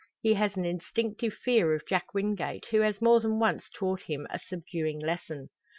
He has an instinctive fear of Jack Wingate, who has more than once taught him a subduing lesson.